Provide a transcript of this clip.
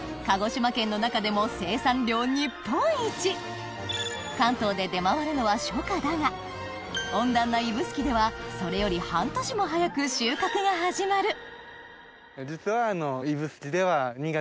鹿児島県の中でも生産量日本一関東で出回るのは初夏だが温暖な指宿ではそれより半年も早く収穫が始まる実は指宿では。